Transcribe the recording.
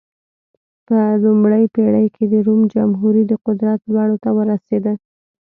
په لومړۍ پېړۍ کې د روم جمهوري د قدرت لوړو ته ورسېده.